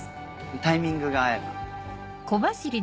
タイミングが合えば。